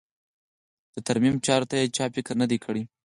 د ترمیم چارو ته یې چا فکر نه دی کړی.